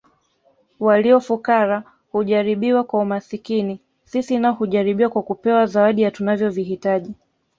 Walio fukara hujaribiwa kwa umaskini sisi nao hujaribiwa kwa kupewa zaidi ya tunavyovihitaji